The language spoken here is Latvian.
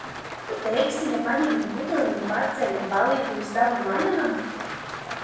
Ko teiksi, ja paņemam pudeli un pārceļam ballīti uz tavām mājām?